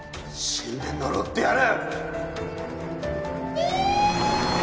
死んで呪ってやる！